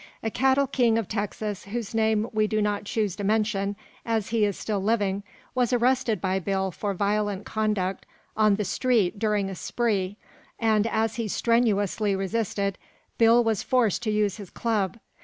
A cattle king of Texas, whose name we do not choose to mention, as he is still living, was arrested by Bill for violent conduct on the street during a spree, and, as he strenuously resisted, Bill was forced to use his club.